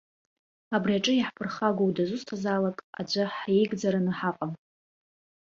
Абри аҿы иаҳԥырхагоу дазусҭазаалак аӡәы ҳиеигӡараны ҳаҟым.